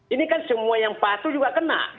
ini kan semua yang patuh juga kena